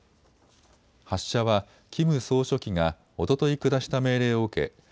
発射はキム総書記がおととい下した命令を受け